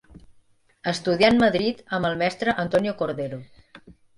Estudià en Madrid amb el mestre Antonio Cordero.